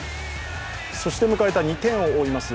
そして迎えた２点を追います